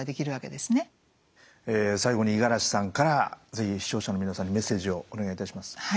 最後に五十嵐さんから是非視聴者の皆さんにメッセージをお願いいたします。